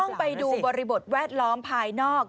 ต้องไปดูบริบทแวดล้อมภายนอก